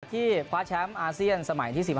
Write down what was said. เพราะว่าที่พลัทแชมป์าสเซียนสมัยที่๑๕